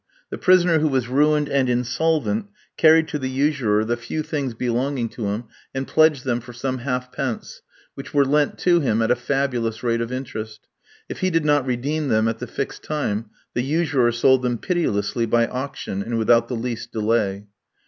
The prisoner who was ruined and insolvent carried to the usurer the few things belonging to him and pledged them for some halfpence, which were lent to him at a fabulous rate of interest. If he did not redeem them at the fixed time the usurer sold them pitilessly by auction, and without the least delay.